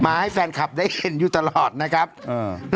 ให้แฟนคลับได้เห็นอยู่ตลอดนะครับเออ